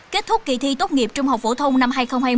kết thúc kỳ thi tốt nghiệp trung học phổ thông năm hai nghìn hai mươi